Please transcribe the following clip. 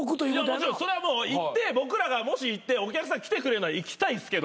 もちろんそれはもう行って僕らがもし行ってお客さん来てくれるなら行きたいですけど。